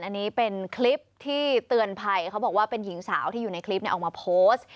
อันนี้เป็นคลิปที่เตือนภัยเขาบอกว่าเป็นหญิงสาวที่อยู่ในคลิปออกมาโพสต์